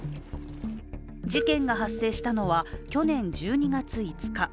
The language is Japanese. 事件が発生したのは去年１２月５日。